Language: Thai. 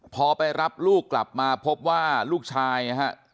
พอไปรับลูกกลับมาพบว่าลูกชายนะฮะ